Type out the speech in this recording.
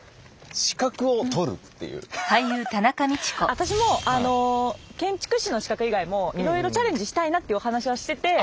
私も建築士の資格以外もいろいろチャレンジしたいなってお話はしてて。